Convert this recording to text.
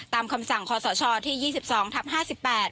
คำสั่งคศที่๒๒ทับ๕๘